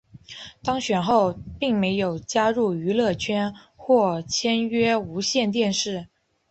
当选后并没有加入娱乐圈或签约无线电视。